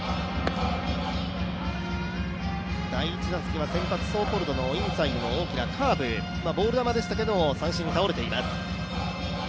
第１打席は先発ソーポルドをインサイドのカーブ、ボール球でしたけれども、三振に倒れています。